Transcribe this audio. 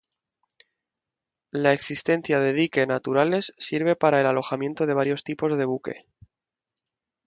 La existencia de dique naturales sirve para el alojamiento de varios tipos de buque.